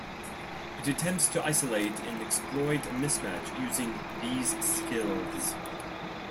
It attempts to isolate and exploit a mismatch using these skills.